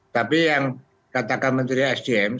tapi yang katakan menteri sdm saya kira betul yang katakan